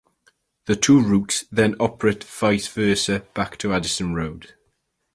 The two routes then operate vice versa back to Addison Road.